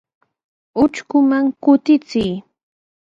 Utrkuman kutichiy.